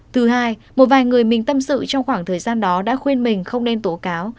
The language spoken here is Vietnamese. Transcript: thứ hai một vài người mình tâm sự trong khoảng thời gian đó đã khuyên mình không nên tố cáo